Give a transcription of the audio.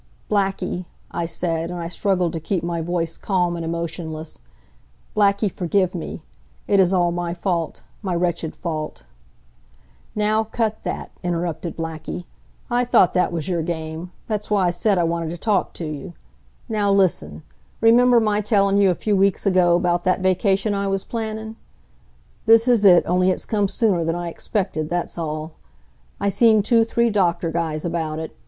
"Blackie," I said, and I struggled to keep my voice calm and emotionless, "Blackie, forgive me. It is all my fault my wretched fault." "Now, cut that," interrupted Blackie. "I thought that was your game. That's why I said I wanted t' talk t' you. Now, listen. Remember my tellin' you, a few weeks ago, 'bout that vacation I was plannin'? This is it, only it's come sooner than I expected, that's all. I seen two three doctor guys about it.